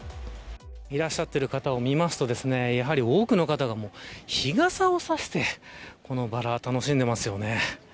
いらっしゃっている方を見ますと多くの方が日傘を差してこのばらを楽しんでますよね。